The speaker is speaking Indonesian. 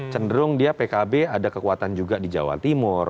cenderung dia pkb ada kekuatan juga di jawa timur